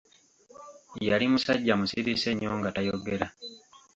Yali musajja musirise nnyo nga tayogera.